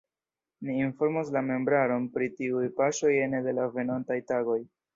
Ni informos la membraron pri tiuj paŝoj ene de la venontaj tagoj.